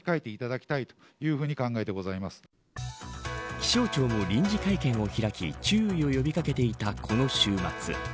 気象庁も臨時会見を開き注意を呼び掛けていたこの週末。